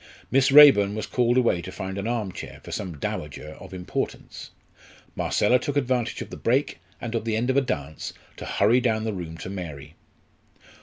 Miss Raeburn was called away to find an arm chair for some dowager of importance; Marcella took advantage of the break and of the end of a dance to hurry down the room to Mary.